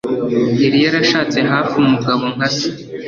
Yari yarashatse hafi umugabo nka se.